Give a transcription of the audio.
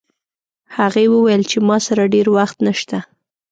هغې وویل چې ما سره ډېر وخت نشته